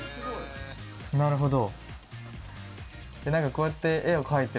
なるほど。